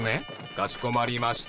かしこまりました。